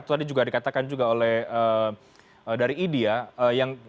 tadi juga dikatakan juga oleh dari idi ya